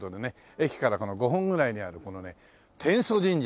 駅から５分ぐらいにあるこのね天祖神社。